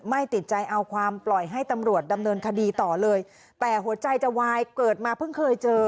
ไม่ติดใจเอาความปล่อยให้ตำรวจดำเนินคดีต่อเลยแต่หัวใจจะวายเกิดมาเพิ่งเคยเจอ